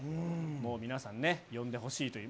もう皆さんね、呼んでほしいという。